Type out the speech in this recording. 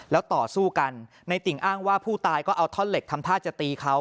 แล้วต่อสู้กันในติ่งอ้างว่าผู้ตายก็เอาท่อนเหล็กทำท่าจะตีเขา